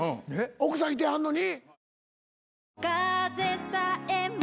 奥さんいてはんのに？